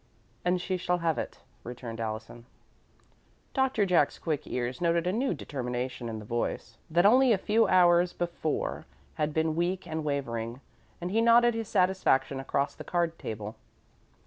"And she shall have it," returned Allison. Doctor Jack's quick ears noted a new determination in the voice, that only a few hours before had been weak and wavering, and he nodded his satisfaction across the card table.